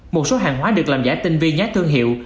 một số hàng hóa được làm giả tinh vi nhá thương hiệu